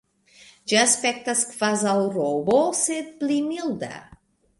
Ĝi aspektas kvazaŭ robo, sed pli milda.